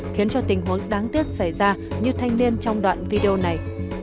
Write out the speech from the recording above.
khiến cho tình huống đáng tiếc xảy ra như thanh niên trong đoạn video này